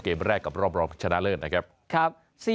เกมส์แรกกับรอบรอบชนะเลิศ